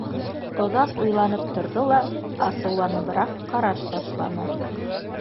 Оҙаҡ уйланып торҙо ла асыуланыбыраҡ ҡараш ташланы.